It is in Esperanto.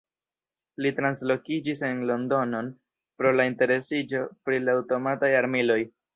Li translokiĝis en Londonon, pro la interesiĝo pri la aŭtomataj armiloj.